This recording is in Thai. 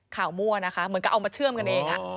มั่วนะคะเหมือนกับเอามาเชื่อมกันเอง